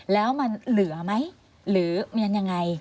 แล้วมันเหลือไหมหรือมันยังไง